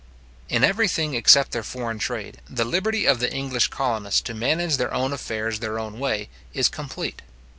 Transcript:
In every thing except their foreign trade, the liberty of the English colonists to manage their own affairs their own way, is complete.